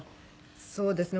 そうですね。